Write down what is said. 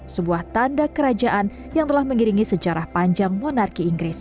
sebuah tanda kerajaan yang telah mengiringi sejarah panjang monarki inggris